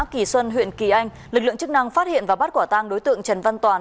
kỳ xuân huyện kỳ anh lực lượng chức năng phát hiện và bắt quả tang đối tượng trần văn toàn